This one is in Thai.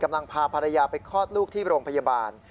พาภรรยาไปคลอดลูกที่โรงพยาบาล